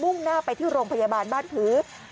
่งหน้าไปที่โรงพยาบาลบ้านพือ